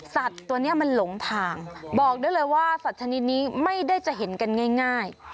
สัตว์ตัวนี้มันหลงทางบอกได้เลยว่าสัตว์ชนิดนี้ไม่ได้จะเห็นกันง่าย